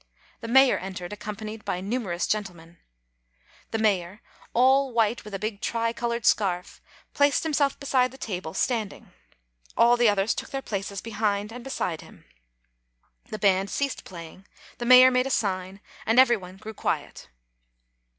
The mayor entered, accompanied by numerous gentlemen. The mayor, all white, with a big tricolored scarf, placed himself beside the table, standing; all the others took their places behind and beside him. The band ceased playing; the mayor made a sign, and every one grew quiet.